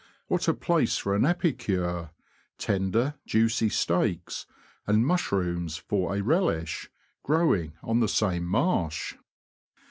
What a place for an epicure : tender, juicy steaks, and mushrooms for a relish, grow ing on the same marsh